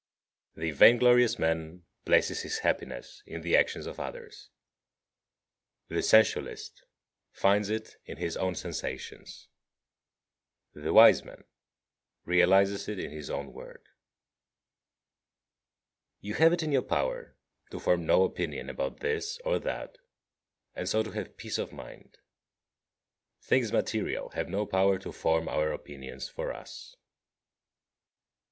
51. The vain glorious man places his happiness in the action of others. The sensualist finds it in his own sensations. The wise man realizes it in his own work. 52. You have it in your power to form no opinion about this or that, and so to have peace of mind. Things material have no power to form our opinions for us. 53.